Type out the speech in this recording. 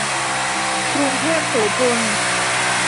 กรุงเทพโสภณ